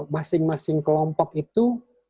masing masing kelompok itu